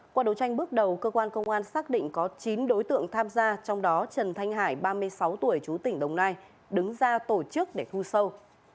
qua đấu tranh bước đầu cơ quan công an xác định có chín đối tượng tham gia trong đó trần thanh hải ba mươi sáu tuổi chú tỉnh đồng nai đứng ra tổ chức để thu sâu